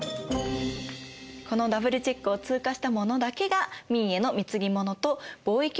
このダブルチェックを通過した者だけが明への貢ぎ物と貿易を許されました。